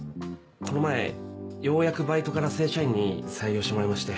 この前ようやくバイトから正社員に採用してもらいまして。